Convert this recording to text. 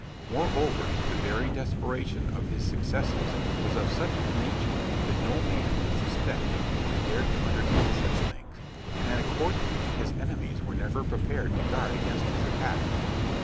Moreover, the very desperation of his successes was of such a nature that no man could suspect that he would dare to undertake such things, and accordingly his enemies were never prepared to guard against his attacks.